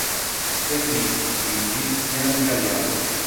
Servì, quindi, nell'Ammiragliato.